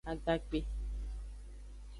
Agakpe.